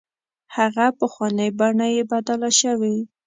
هغه پخوانۍ بڼه یې بدله شوې.